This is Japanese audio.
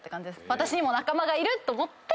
私にも仲間がいると思って。